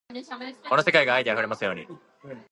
この世界が愛で溢れますように